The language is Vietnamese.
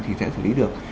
thì sẽ xử lý được